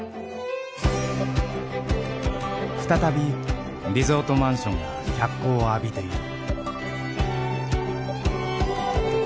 再びリゾートマンションが脚光を浴びている。